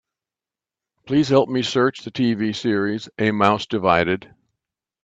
Please help me search the TV series A Mouse Divided.